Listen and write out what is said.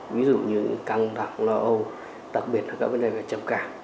ví dụ như căng đạc lo âu đặc biệt là các vấn đề về trầm cả